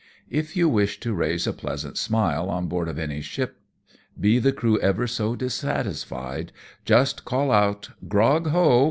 If you wish to raise a pleasant smile on board of any ship, be the crew ever so dissatisfied, just call out " Grog, ho